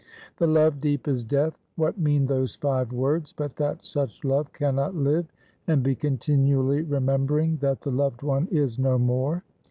The love deep as death what mean those five words, but that such love can not live, and be continually remembering that the loved one is no more?